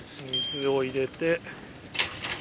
水を入れて。